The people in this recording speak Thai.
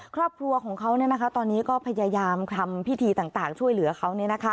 ครอบครัวของเขาเนี่ยนะคะตอนนี้ก็พยายามทำพิธีต่างช่วยเหลือเขาเนี่ยนะคะ